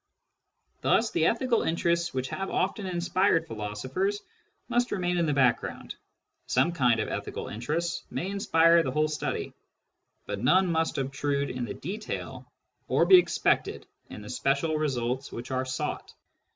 Thus the ethical interests which have often inspired philosophers must remain in the background : some kind of ethical interest may inspire the whole study, but none must Digitized by Google CURRENT TENDENCIES 27 obtrude in the detail or be expected in the special results which are sought.